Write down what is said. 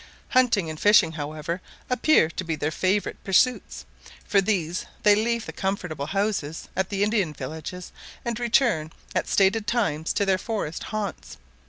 Hunting and fishing, however, appear to be their favourite pursuits: for these they leave the comfortable houses at the Indian villages, and return at stated times to their forest haunts.